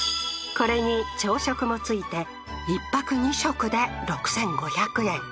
これに朝食も付いて１泊２食で６，５００円